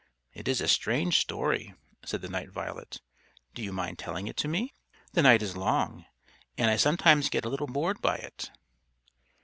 "It is a strange story," said the Night Violet. "Do you mind telling it to me? The night is long, and I sometimes get a little bored by it."